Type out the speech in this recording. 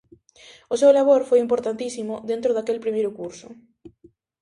O seu labor foi importantísimo dentro daquel primeiro curso.